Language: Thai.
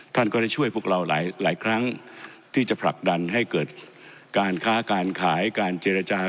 ท่านก็ได้ช่วยพวกเราหลายครั้งที่จะผลักดันให้เกิดการค้าการขายการเจรจา